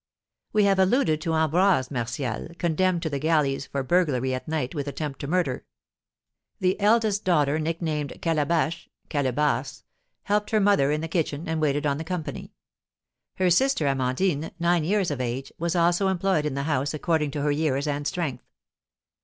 We have alluded to Ambroise Martial, condemned to the galleys for burglary at night with attempt to murder. The eldest daughter, nicknamed Calabash (Calebasse), helped her mother in the kitchen, and waited on the company. Her sister, Amandine, nine years of age, was also employed in the house according to her years and strength.